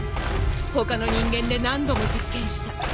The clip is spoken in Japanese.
他の人間で何度も実験した。